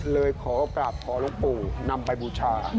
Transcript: เลยขอกราบขอหลวงปู่นำไปบูชา